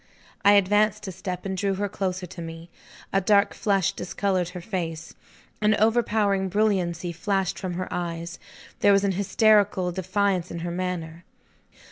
I advanced a step, and drew her closer to me. A dark flush discolored her face. An overpowering brilliancy flashed from her eyes; there was an hysterical defiance in her manner.